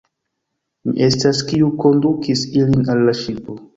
Mi estas, kiu kondukis ilin al la ŝipo.